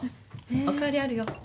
お代わりあるよ。